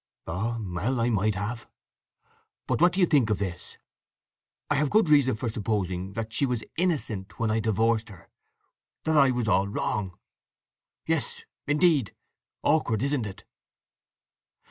'" "Ah, well. I might have. But what do you think of this: I have good reason for supposing that she was innocent when I divorced her—that I was all wrong. Yes, indeed! Awkward, isn't it?"